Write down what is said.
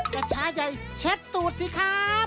กระชายใยเช็ดตูดสิครับ